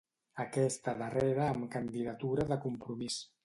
Aquesta darrera amb candidatura de Compromís.